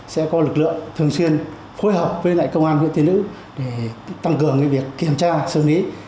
sẽ có lực lượng thường xuyên phối hợp với lại công an huyện tiên nữ để tăng cường việc kiểm tra xử lý